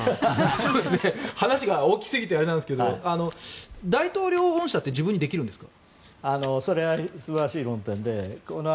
話が大きすぎてあれなんですけど大統領恩赦って自分にできるんですか。